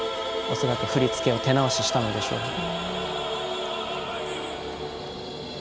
恐らく振り付けを手直ししたのでしょう。